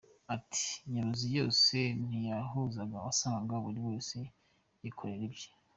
Ati “Nyobozi yose ntiyahuzaga wasangaga buri wese yikorera ibye.